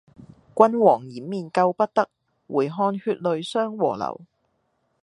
君王掩面救不得，回看血淚相和流。